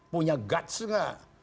punya guts enggak